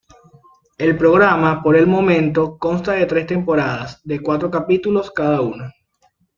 El programa, por el momento, consta de tres temporadas, de cuatro capítulos cada una.